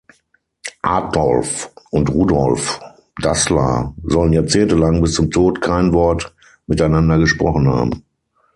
Adolf und Rudolf Dassler sollen jahrzehntelang bis zum Tod kein Wort miteinander gesprochen haben.